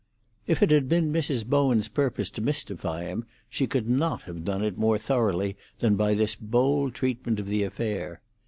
If it had been Mrs. Bowen's purpose to mystify him, she could not have done it more thoroughly than by this bold treatment of the affair.